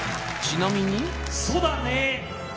ちなみに「そだねー」